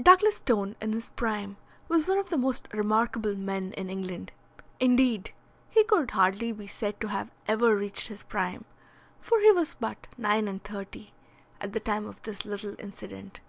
Douglas Stone in his prime was one of the most remarkable men in England. Indeed, he could hardly be said to have ever reached his prime, for he was but nine and thirty at the time of this little incident.